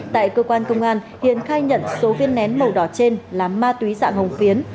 tại cơ quan công an hiền khai nhận số viên nén màu đỏ trên là ma túy dạng hồng phiến